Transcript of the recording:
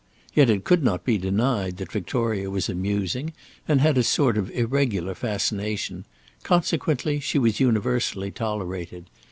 Yet it could not be denied that Victoria was amusing, and had a sort of irregular fascination; consequently she was universally tolerated.